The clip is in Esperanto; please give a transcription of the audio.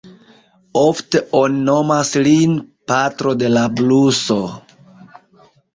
Ofte oni nomas lin „patro de la bluso"“.